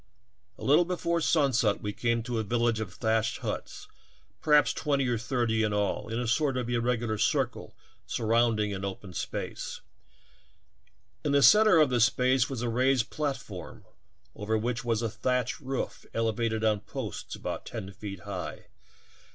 A little before sunset we came to a vil lage of thatched huts, perhaps twenty or thirty in all, in a sort of irregular circle surrounding an open space ; in the center of this space was a raised platform over which was a thatched roof elevated on posts about ten feet high.